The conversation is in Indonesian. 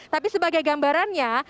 tapi sebagai gambarannya